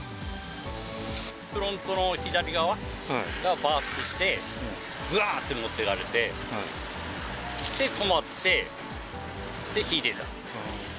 フロントの左側がバーストして、ぐわーって持っていかれて、で、止まって、で、火が出た。